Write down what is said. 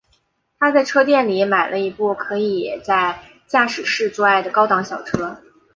他在车店里买了一部可以在驾驶室做爱的高档小车。